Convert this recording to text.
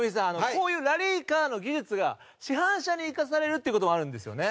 こういうラリーカーの技術が市販車に生かされるということもあるんですよね。